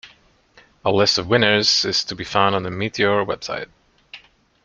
A list of winners is to be found on the Meteor website.